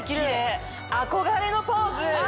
憧れのポーズ！